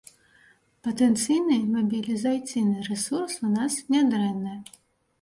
Патэнцыйны мабілізацыйны рэсурс у нас нядрэнны.